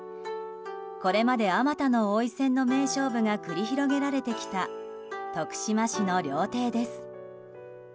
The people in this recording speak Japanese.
これまであまたの王位戦の名勝負が繰り広げられてきた徳島市の料亭です。